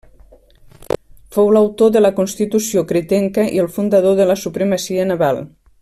Fou l'autor de la constitució cretenca i el fundador de la supremacia naval.